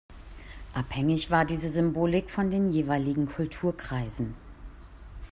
Abhängig war diese Symbolik von den jeweiligen Kulturkreisen.